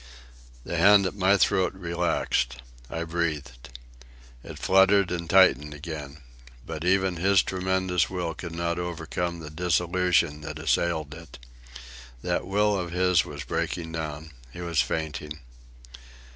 The hand at my throat relaxed. I breathed. It fluttered and tightened again. But even his tremendous will could not overcome the dissolution that assailed it. That will of his was breaking down. He was fainting.